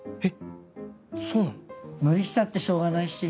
えっ？